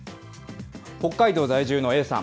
北海道在住のＡさん。